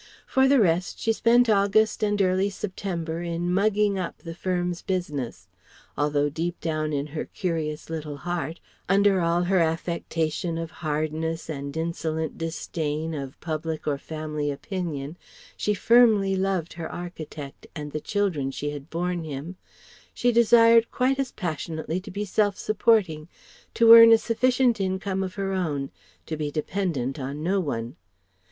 For the rest she spent August and early September in "mugging up" the firm's business. Although deep down in her curious little heart, under all her affectation of hardness and insolent disdain of public or family opinion she firmly loved her architect and the children she had borne him, she desired quite as passionately to be self supporting, to earn a sufficient income of her own, to be dependent on no one.